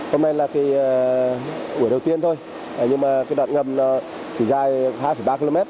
hôm nay là cái buổi đầu tiên thôi nhưng mà cái đoạn ngầm thì dài hai ba km